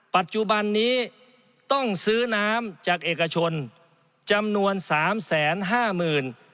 ปัจจุบันนี้ต้องซื้อน้ำจากเอกชนจำนวนสามแสนห้าหมื่น